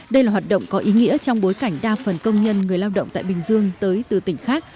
đây là hoạt động có ý nghĩa trong bối cảnh đa phần công nhân người lao động tại bình dương tới từ tỉnh khác